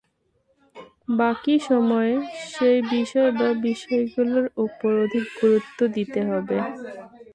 বাকি সময়ে সেই বিষয় বা বিষয়গুলোর ওপর অধিক গুরুত্ব দিতে হবে।